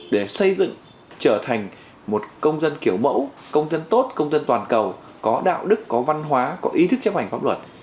để xây dựng trở thành một công dân kiểu mẫu công dân tốt công dân toàn cầu có đạo đức có văn hóa có ý thức chấp hành pháp luật